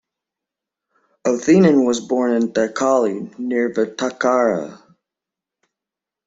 Othenan was born in Thacholi near Vatakara.